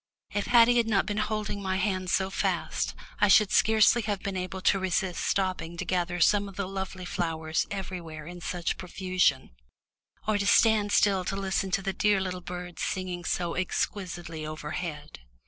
If Haddie had not been holding my hand so fast I should scarcely have been able to resist stopping to gather some of the lovely flowers everywhere in such profusion, or to stand still to listen to the dear little birds singing so exquisitely overhead.